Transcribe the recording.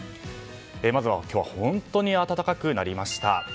まずは今日は本当に暖かくなりました。